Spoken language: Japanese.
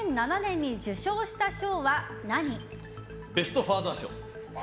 ベスト・ファーザー賞。